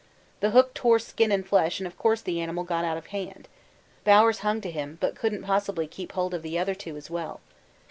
The hook tore skin and flesh and of course the animal got out of hand. Bowers hung to him, but couldn't possibly keep hold of the other two as well.